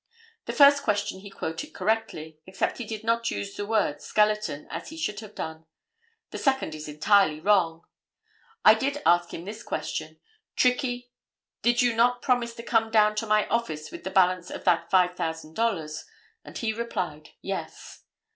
The first question he quoted correctly, except he did not use the word "skeleton" as he should have done. The second is entirely wrong. I did ask him this question, 'Trickey, did you not promise to come down to my office with the balance of that $5000?' and he replied, 'Yes.